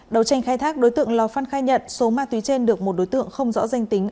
đầu tranh khai thác đối tượng lò phân khai nhận số ma túy trên được một đối tượng không rõ danh tính